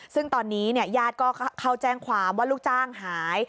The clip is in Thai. ซึ่งตอนนี้เนี่ยยัดก็เขาแจ้งความว่าลูกจ้างหาย